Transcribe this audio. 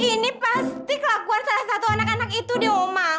ini pasti kelakuan salah satu anak anak itu di omang